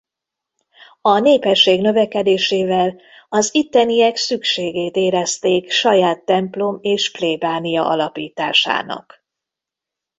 A népesség növekedésével az itteniek szükségét érezték saját templom és plébánia alapításának.